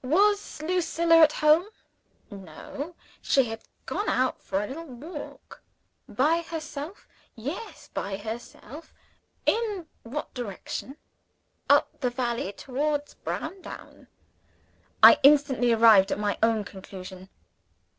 Was Lucilla at home? No: she had gone out for a little walk. By herself? Yes by herself. In what direction? Up the valley, towards Browndown. I instantly arrived at my own conclusion.